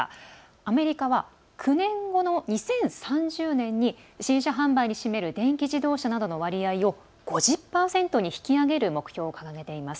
アメリカは９年後の２０３０年に新車販売に占める電気自動車などの割合を５０％に引き上げる目標を掲げています。